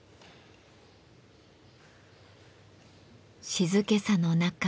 静けさの中